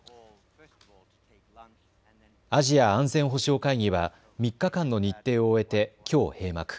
アジア安全保障会議は３日間の日程を終えてきょう閉幕。